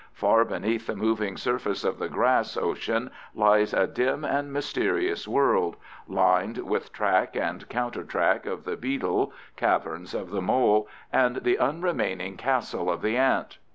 Far beneath the moving surface of the grass ocean lies a dim and mysterious world, lined with track and countertrack of the beetle, caverns of the mole, and the unremaining castle of the ant.